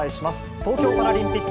東京パラリンピック